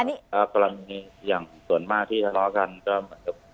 อันนี้อ่าประมาณนี้อย่างส่วนมากที่ทะเลาะกันก็เหมือนกับ